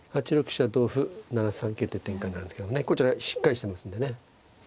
飛車同歩７三桂という展開になるんですけどもねこちらしっかりしてますんでね。